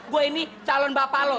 gue ini calon bapak lo